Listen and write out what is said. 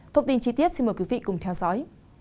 thông tin chi tiết xin mời quý vị cùng theo dõi